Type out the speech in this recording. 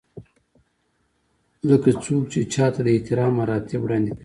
لکه څوک چې چاته د احترام مراتب وړاندې کوي.